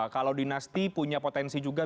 kalau dinasti punya potensi juga